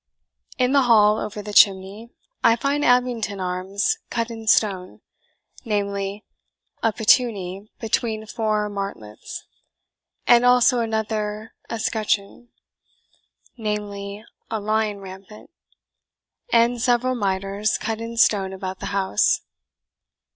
"In the hall, over the chimney, I find Abington arms cut in stone namely, a patonee between four martletts; and also another escutcheon namely, a lion rampant, and several mitres cut in stone about the house.